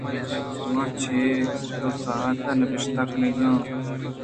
من چہ دو ساھت ءَ نبشتہ کنگ ءَ آں۔